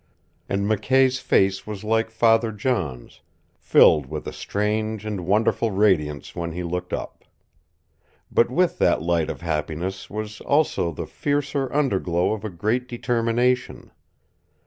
And McKay's face was like Father John's, filled with a strange and wonderful radiance when he looked up. But with that light of happiness was also the fiercer underglow of a great determination.